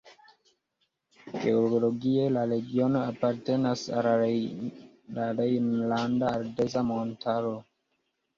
Geologie la regiono apartenas al la Rejnlanda Ardeza Montaro.